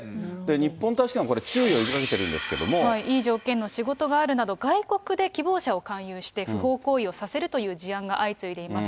日本大使館はこれ、注意を呼びかけているんでいい条件の仕事があるなど、外国で希望者を勧誘して、不法行為をさせるという事案が相次いでいます。